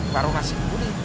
warung nasi kebuli